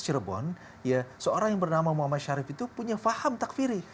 di melbourne ya seorang yang bernama muhammad sharif itu punya faham takfiri